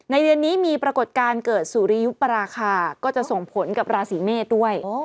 เดือนนี้มีปรากฏการณ์เกิดสุริยุปราคาก็จะส่งผลกับราศีเมษด้วย